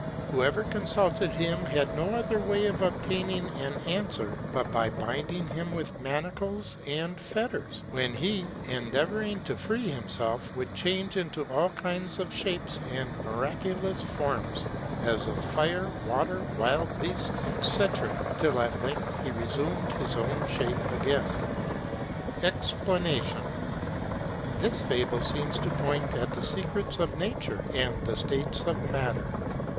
Whoever consulted him, had no other way of obtaining an answer, but by binding him with manacles and fetters; when he, endeavoring to free himself, would change into all kinds of shapes and miraculous forms; as of fire, water, wild beasts, &c. till at length he resumed his own shape again. EXPLANATION.—This fable seems to point at the secrets of nature, and the states of matter.